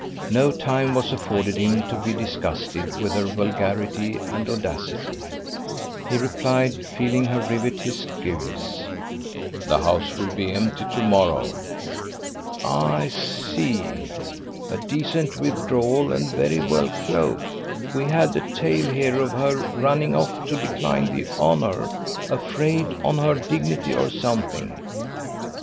No time was afforded him to be disgusted with her vulgarity and audacity. He replied, feeling her rivet his gyves: "The house will be empty to morrow." "I see. A decent withdrawal, and very well cloaked. We had a tale here of her running off to decline the honour, afraid, or on her dignity or something."